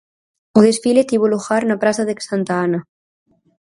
O desfile tivo lugar na Praza de Santa Ana.